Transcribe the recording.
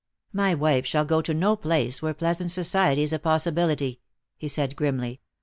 "My wife shall go to no place where pleasant society is a possibility," he said grimly.